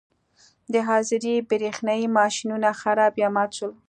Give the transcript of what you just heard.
د حاضرۍ برېښنايي ماشینونه خراب یا مات شول.